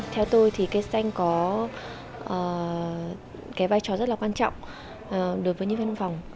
theo tôi thì cây xanh có cái vai trò rất là quan trọng đối với nhân văn phòng